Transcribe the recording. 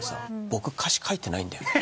僕歌詞書いてないんだよね」